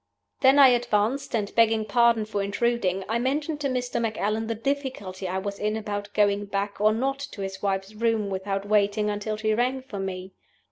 "Then I advanced, and, begging pardon for intruding, I mentioned to Mr. Macallan the difficulty I was in about going back or not to his wife's room without waiting until she rang for me.